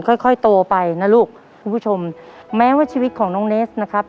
ค่อยค่อยโตไปนะลูกคุณผู้ชมแม้ว่าชีวิตของน้องเนสนะครับ